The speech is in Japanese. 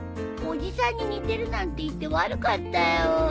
おじさんに似てるなんて言って悪かったよ。